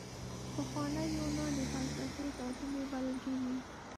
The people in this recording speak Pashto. پخوانی یونان د فلسفې ټاټوبی بلل کیږي.